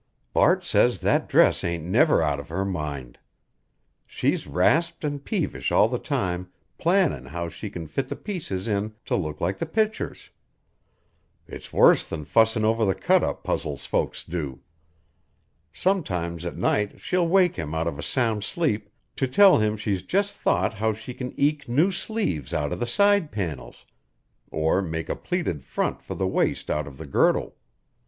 Bart says that dress ain't never out of her mind. She's rasped an' peevish all the time plannin' how she can fit the pieces in to look like the pictures. It's worse than fussin' over the cut up puzzles folks do. Sometimes at night she'll wake him out of a sound sleep to tell him she's just thought how she can eke new sleeves out of the side panels, or make a pleated front for the waist out of the girdle.